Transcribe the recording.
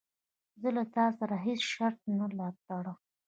زه له تا سره هیڅ شرط نه ټړم.